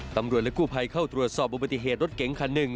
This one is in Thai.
ตำรวจและกู้ภัยเข้าตรวจสอบอุบัติเหตุรถเก๋งคันหนึ่ง